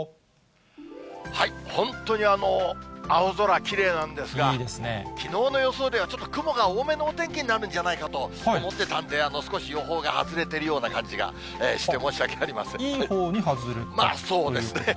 本当に青空、きれいなんですが、きのうの予想ではちょっと雲が多めのお天気になるんじゃないかと思ってたんで、少し予報が外れてるような感じがして、申し訳ありいいほうに外れたということまあ、そうですね。